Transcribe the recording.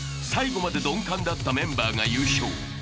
最後まで鈍感だったメンバーが優勝］